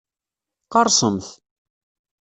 Qerrsemt!